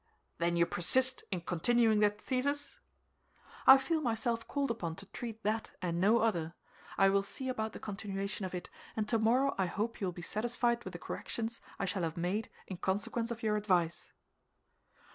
"Then you persist in continuing that thesis?" "I feel myself called upon to treat that, and no other. I will see about the continuation of it, and tomorrow I hope you will be satisfied with the corrections I shall have made in consequence of your advice."